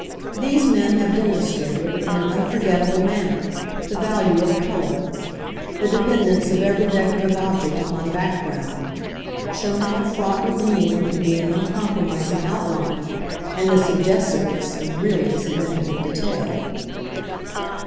These men have demonstrated, in an unforgettable manner, the value of colour; the dependence of every decorative object upon background; shown how fraught with meaning can be an uncompromising outline, and the suggestiveness of really significant detail.